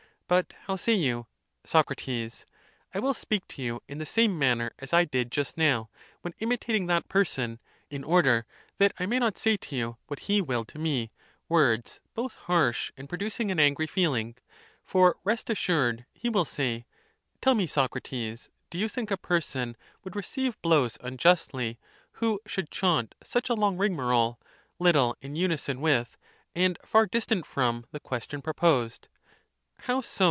But how say you? [28.] Soc. I will speak to you in the same manner as I did just now, when imitating that person, in order that I may not say to you, what he will to me, words both harsh and pro ducing an angry feeling. For rest assured he will say, Tell me, Socrates, do you think a person would receive blows un justly, who should chaunt such a long rigmarole, little in uni son with, and far distant from, the question proposed ?—How so?